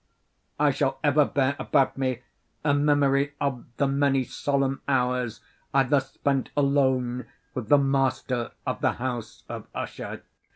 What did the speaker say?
I shall ever bear about me a memory of the many solemn hours I thus spent alone with the master of the House of Usher.